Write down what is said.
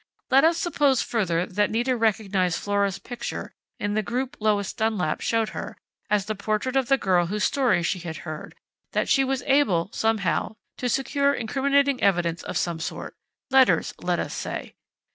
Let us suppose further that Nita recognized Flora's picture in the group Lois Dunlap showed her, as the portrait of the girl whose story she had heard; that she was able, somehow, to secure incriminating evidence of some sort letters, let us say.